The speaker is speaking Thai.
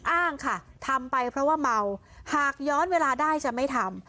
อ้างค่ะทำไปเพราะว่าเมาหากย้อนเวลาได้จะไม่ทำ